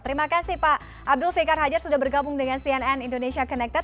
terima kasih pak abdul fikar hajar sudah bergabung dengan cnn indonesia connected